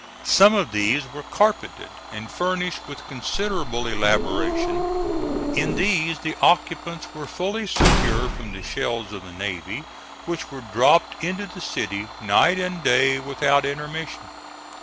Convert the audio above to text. Some of these were carpeted and furnished with considerable elaboration. In these the occupants were fully secure from the shells of the navy, which were dropped into the city night and dav without intermission.